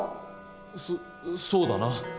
そっそうだな。